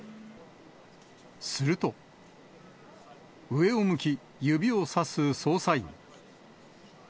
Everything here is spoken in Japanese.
すると、上を向き、指をさす捜査員。